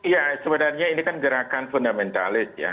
ya sebenarnya ini kan gerakan fundamentalis ya